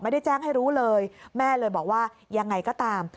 แจ้งให้รู้เลยแม่เลยบอกว่ายังไงก็ตาม